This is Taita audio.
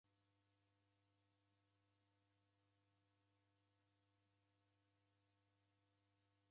Osekaie na maghesho ghangi upata mbeu putu